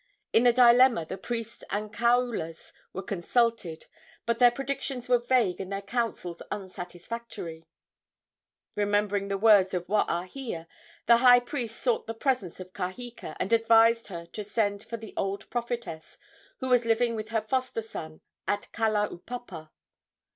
In this dilemma the priests and kaulas were consulted, but their predictions were vague and their counsels unsatisfactory. Remembering the words of Waahia, the high priest sought the presence of Kaheka, and advised her to send for the old prophetess, who was living with her foster son at Kalaupapa.